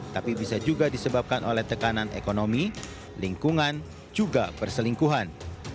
tapi bisa juga disebabkan oleh tekanan ekonomi lingkungan juga perselingkuhan